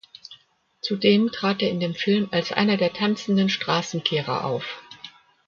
Zudem trat er in dem Film als einer der tanzenden Straßenkehrer auf.